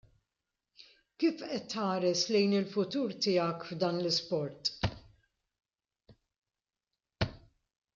Kif qed tħares lejn il-futur tiegħek f'dan l-isport?